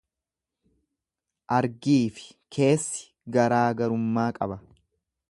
Argiifi keessi garaagarummaa qaba.